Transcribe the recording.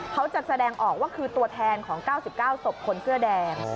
เขาจะแสดงออกว่าคือตัวแทนของ๙๙ศพคนเสื้อแดง